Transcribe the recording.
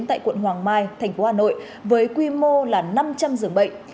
tại quận hoàng mai thành phố hà nội với quy mô là năm trăm linh giường bệnh